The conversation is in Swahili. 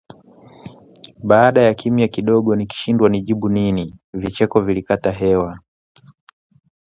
Baada ya kimya kidogo nikishindwa nijibu nini, vicheko vilikata hewa